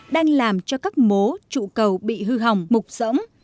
đang làm cho các mố trụ cầu bị hư hỏng mục rỗng